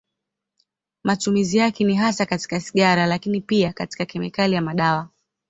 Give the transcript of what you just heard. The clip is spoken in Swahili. Matumizi yake ni hasa katika sigara, lakini pia katika kemikali na madawa.